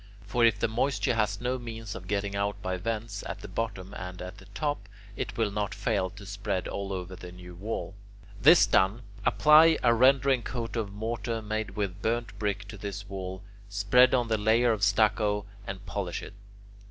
For if the moisture has no means of getting out by vents at the bottom and at the top, it will not fail to spread all over the new wall. This done, apply a rendering coat of mortar made with burnt brick to this wall, spread on the layer of stucco, and polish it.